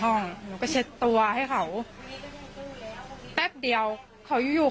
ข้องข้างใจก็เหลือเหลืออยู่ซีอิซส์ยังเตอร์ไซค์